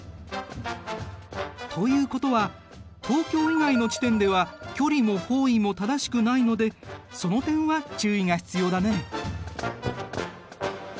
ということは東京以外の地点では距離も方位も正しくないのでその点は注意が必要だね。